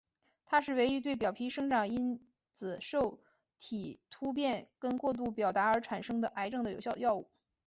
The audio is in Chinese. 它是唯一对表皮生长因子受体突变跟过度表达而产生的癌症的有效药物。